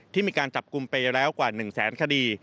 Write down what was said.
ที่มีการจับกลุ่มไปแล้วกว่า๑แสนคดี